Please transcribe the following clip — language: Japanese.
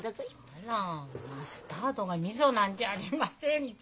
あらマスタードがみそなんじゃありませんか！